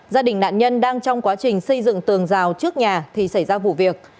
gia đình nạn nhân đang trong quá trình xây dựng tường rào trước nhà thì xảy ra vụ việc